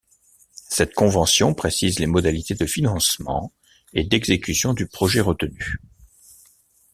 Cette convention précise les modalités de financement et d’exécution du projet retenu.